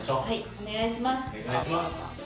お願いします。